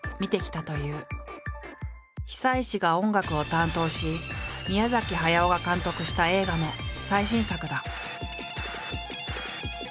久石が音楽を担当し宮駿が監督した映画の最新作だ。